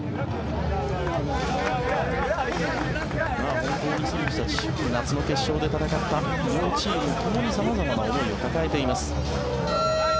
本当に、夏の決勝で戦った両チームともに様々な思いを抱えています。